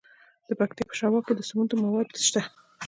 د پکتیا په شواک کې د سمنټو مواد شته.